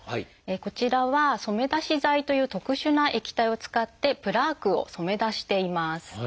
こちらは染め出し剤という特殊な液体を使ってプラークを染め出しています。